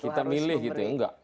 kita milih gitu ya